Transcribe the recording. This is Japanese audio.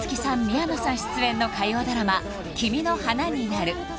宮野さん出演の火曜ドラマ「君の花になる」